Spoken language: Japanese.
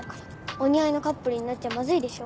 お似合いのカップルになっちゃまずいでしょ？